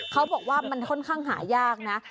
เขาบอกว่ามันค่อนข้างหายากนะ